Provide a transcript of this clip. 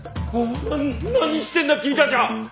何してんだ君たちは！